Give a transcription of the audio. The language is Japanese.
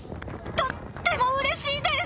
とってもうれしいです！